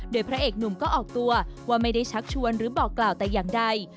โดยพระเอกหนุ่มก็ออกตัวว่าไม่ได้ชักชวนหรือบอกกล่าวแต่อย่างใด